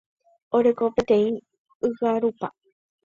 Oreko peteĩ ygarupa.